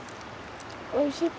おいしい？